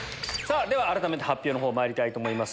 では改めて発表の方まいりたいと思います。